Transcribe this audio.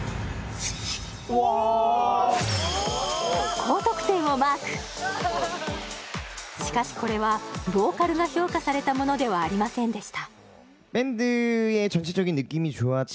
高得点をマークしかしこれはボーカルが評価されたものではありませんでした